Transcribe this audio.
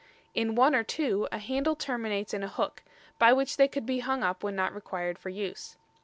In one or two a handle terminates in a hook, by which they could be hung up when not required for use.